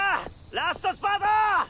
ラストスパート！